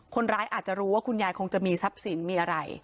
คนร้ายอาจจะรู้ว่าคุณยายคงจะมีทรัพย์สินมีอะไร